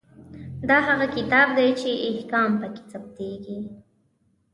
دا هغه کتاب دی چې احکام پکې ثبتیږي.